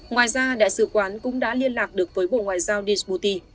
ngoài ra đại sứ quán cũng đã liên lạc được với bộ ngoại giao dsbouti